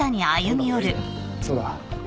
そうだ。